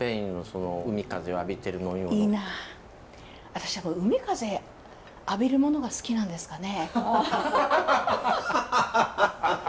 私やっぱり海風浴びるものが好きなんですかね。